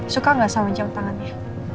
suka nggak sama jam tangannya